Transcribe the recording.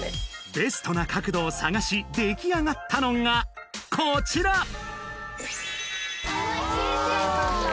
ベストな角度を探し出来上がったのがこちらそうだ